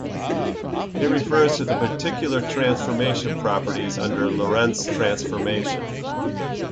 It refers to the particular transformation properties under Lorentz transformation.